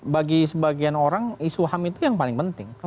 bagi sebagian orang isu ham itu yang paling penting